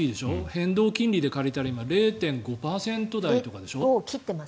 変動金利で借りたら今、０．５％台とかでしょ。